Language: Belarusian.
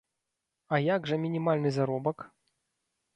А як жа мінімальны заробак?